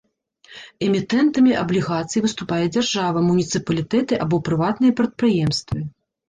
Эмітэнтамі аблігацый выступае дзяржава, муніцыпалітэты або прыватныя прадпрыемствы.